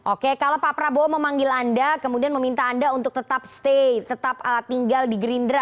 oke kalau pak prabowo memanggil anda kemudian meminta anda untuk tetap stay tetap tinggal di gerindra